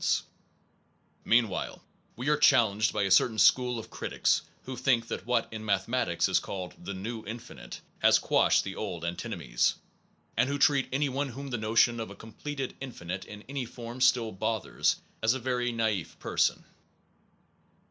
172 NOVELTY AND THE INFINITE Meanwhile we are challenged by a certain school of critics who think that what in mathe Objec matics is called the new infinite has quashed the old antinomies, and who treat anyone whom the notion of a com pleted infinite in any form still bothers, as a very naif person.